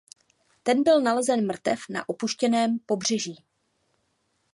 Ten byl nalezen mrtev na opuštěném pobřeží.